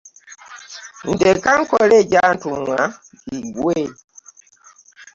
Ndeka nkole egyantumwa giggwe.